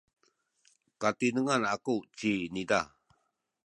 katinengan aku ciniza.